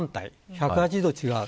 １８０度違う。